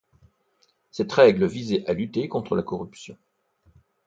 Cette règle visait à lutter contre la corruption.